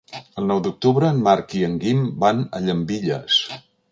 El nou d'octubre en Marc i en Guim van a Llambilles.